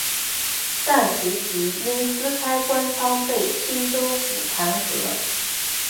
但随即因私开官仓被青州府弹劾。